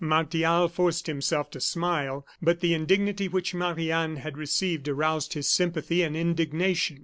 Martial forced himself to smile; but the indignity which Marie Anne had received aroused his sympathy and indignation.